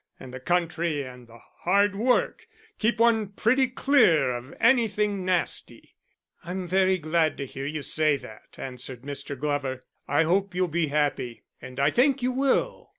And the country and the hard work keep one pretty clear of anything nasty." "I'm very glad to hear you say that," answered Mr. Glover. "I hope you'll be happy, and I think you will."